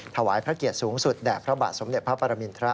ถวายพระเกียรติสูงสุดแด่พระบาทสมเด็จพระปรมินทร